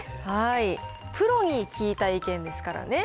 プロに聞いた意見ですからね。